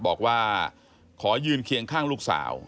บอกว่าขอยืนเคียงข้างลูกสาว